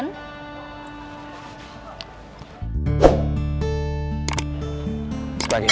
nggak ada masalah kan